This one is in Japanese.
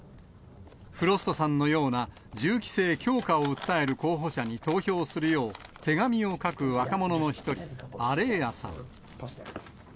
フロストさんのような、銃規制強化を訴える候補者に投票するよう、手紙を書く若者の一人、アレーアさん。